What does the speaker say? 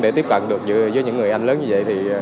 để tiếp cận được với những người anh lớn như vậy